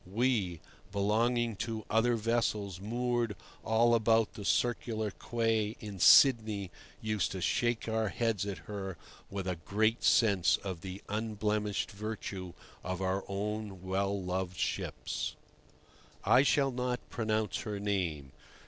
We, belonging to other vessels moored all about the Circular Quay in Sydney, used to shake our heads at her with a great sense of the unblemished virtue of our own well loved ships. I shall not pronounce her name.